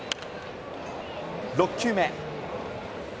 ６球目。